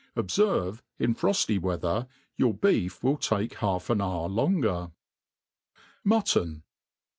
Ob* ierve, in frofty weather your beef will take^alf an hour longer* MUTTON.